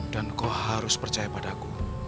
dan kau harus percaya padaku